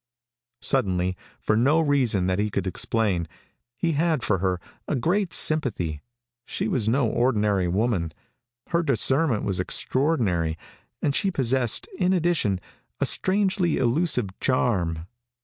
Suddenly, for no reason that he could explain, he had for her a great sympathy. She was no ordinary woman. Her discernment was extraordinary, and she possessed, in addition, a strangely elusive charm.